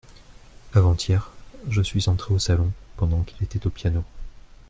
Avant-hier, je suis entré au salon pendant qu’il était au piano…